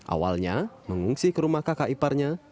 awalnya mengungsi ke rumah kakak iparnya